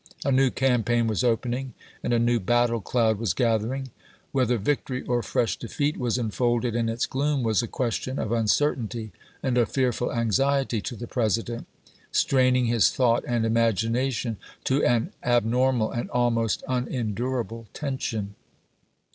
A new campaign was opening, and a new battle oloud was gathering. Whether victory or fresh defeat was enfolded in its gloom was a ques tion of uncertainty and of fearful anxiety to the President, straining his thought and imagination to an abnormal and almost unendurable tension.